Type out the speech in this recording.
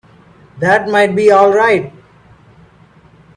That might be all right.